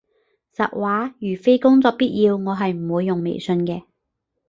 實話，如非工作必要，我係唔會用微信嘅